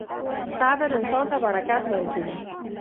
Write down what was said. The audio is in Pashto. • صبر انسان ته برکت ورکوي.